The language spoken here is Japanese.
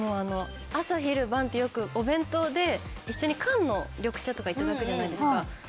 朝昼晩って、よくお弁当で一緒に缶の緑茶とかいただくじゃないですか。